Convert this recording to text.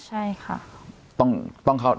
ใช่ค่ะ